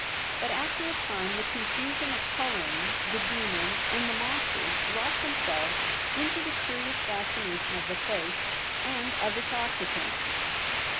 But after a time the confusion of colouring, the demons and the monsters wrought them selves into the curious fascination of the place and of its occupant.